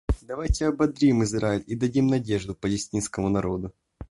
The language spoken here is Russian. Давайте ободрим Израиль и дадим надежду палестинскому народу.